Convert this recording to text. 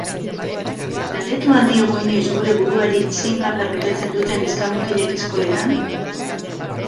Galdetu al diogu inoiz gure buruari zein paper betetzen duten neska mutilek eskoletan?